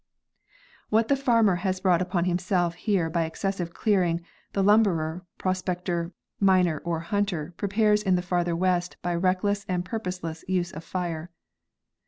What the farmer has brought upon himself here by excessive clearing, the lumberer, prospector, miner or hunter prepares in the farther west by reckless and purposeless use of fire.